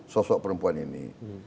sosok perempuan ini